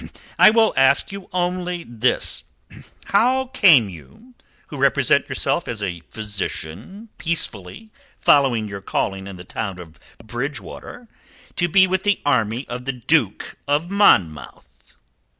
I will ask you only this: How came you, who represent yourself as a physician peacefully following your calling in the town of Bridgewater, to be with the army of the Duke of Monmouth?"